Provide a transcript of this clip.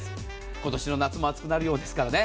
今年の夏も暑くなるようですからね。